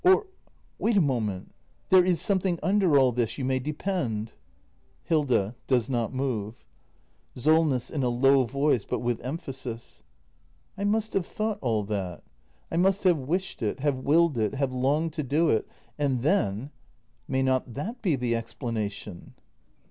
] Or ! Wait a moment! There is something under all this, you may depend! Hilda. [Does not move.] Solness. [In a low voice, but with emphasis.] I must have thought all that. I must have wished it — have willed it — have longed to do it. And then . May not that be the explanation